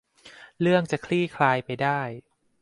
เรื่องจะคลี่คลายไปได้